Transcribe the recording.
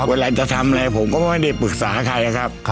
เวลาจะทำอะไรผมก็ไม่ได้ปรึกษาใครนะครับ